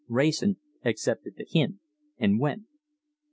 Wrayson accepted the hint and went.